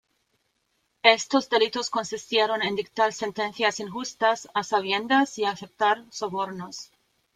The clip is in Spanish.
Estos delitos consistieron en dictar sentencias injustas a sabiendas y aceptar sobornos.